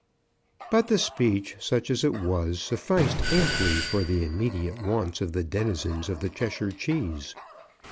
] But the speech, such as it was, sufficed amply for the immediate wants of the denizens of the Cheshire Cheese.